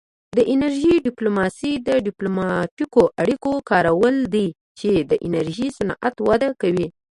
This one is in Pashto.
د انرژۍ ډیپلوماسي د ډیپلوماتیکو اړیکو کارول دي چې د انرژي صنعت وده کوي